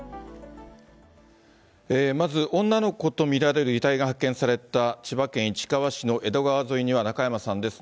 まず、女の子と見られる遺体が発見された千葉県市川市の江戸川沿いには中山さんです。